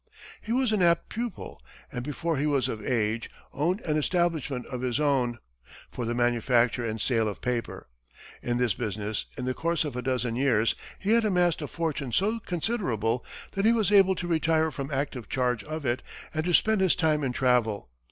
He was an apt pupil, and before he was of age, owned an establishment of his own for the manufacture and sale of paper. In this business, in the course of a dozen years, he had amassed a fortune so considerable that he was able to retire from active charge of it, and to spend his time in travel.